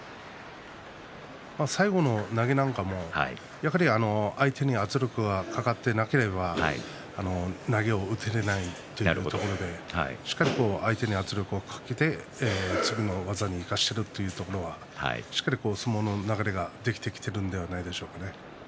最後の投げなんかもやはり相手に圧力がかかっていなければ投げを打つことができないというところでしっかりと相手に圧力をかけて次の技を仕掛けるしっかりと相撲の流れができてきているのではないでしょうか。